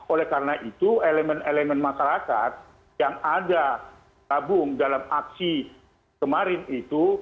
oleh karena itu elemen elemen masyarakat yang ada tabung dalam aksi kemarin itu